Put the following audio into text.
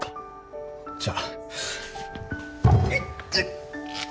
じゃあ。